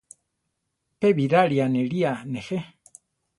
Pe Birari aniría nejé.